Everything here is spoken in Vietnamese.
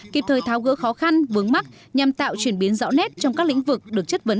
kịp thời tháo gỡ khó khăn vướng mắt nhằm tạo chuyển biến rõ nét trong các lĩnh vực được chất vấn